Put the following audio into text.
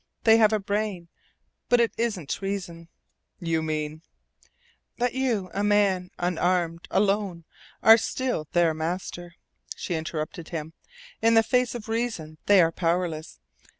They have a brain. But it isn't REASON!" "You mean " he cried. "That you, a man, unarmed, alone, are still their master," she interrupted him. "In the face of reason they are powerless.